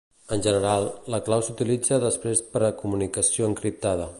En general, la clau s'utilitza després per a comunicació encriptada.